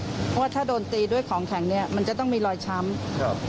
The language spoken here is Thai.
เพราะว่าถ้าโดนตีด้วยของแข็งเนี้ยมันจะต้องมีรอยช้ำครับ